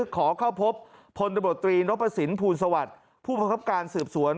ขอเข้าพบพลตบรตรีรับประสินภูมิสวรรค์ผู้บังคับการสืบสวน